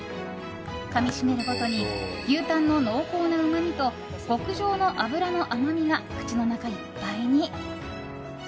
かみ締めるごとに牛タンの濃厚なうまみと極上な脂の甘みが口の中いっぱいに。